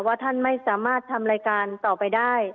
ท่านไม่สามารถทำรายการต่อไปได้